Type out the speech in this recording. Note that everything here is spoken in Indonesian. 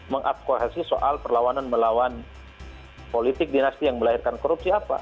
mengadvokasi soal perlawanan melawan politik dinasti yang melahirkan korupsi apa